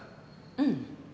うん。